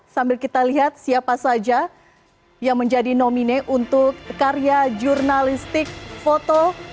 sambil kita lihat siapa saja yang menjadi nomine untuk karya jurnalistik foto